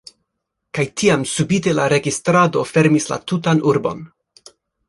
kaj tiam subite la registrado fermis la tutan urbon.